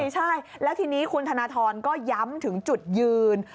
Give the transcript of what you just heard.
ใช่แล้วทีนี้คุณธนทรก็ย้ำถึงจุดยืน